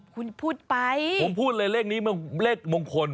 คุณพูดไปผมพูดเลยเลขนี้เลขมงคล